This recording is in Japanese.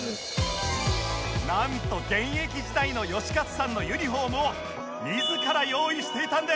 なんと現役時代の能活さんのユニフォームを自ら用意していたんです